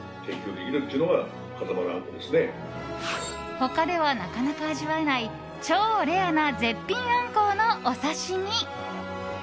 他ではなかなか味わえない超レアな絶品アンコウのお刺し身。